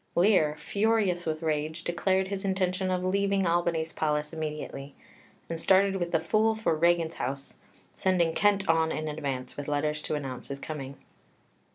Lear, furious with rage, declared his intention of leaving Albany's palace immediately, and started with the Fool for Regan's house, sending Kent on in advance with letters to announce his coming.